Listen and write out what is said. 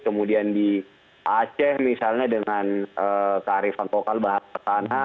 kemudian di aceh misalnya dengan kearifan lokal bahasa tanah